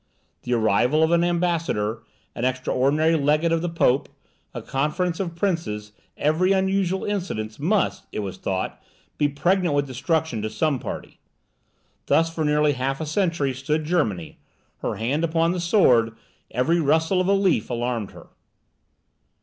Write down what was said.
The arrival of an ambassador, an extraordinary legate of the Pope, a conference of princes, every unusual incident, must, it was thought, be pregnant with destruction to some party. Thus, for nearly half a century, stood Germany, her hand upon the sword; every rustle of a leaf alarmed her.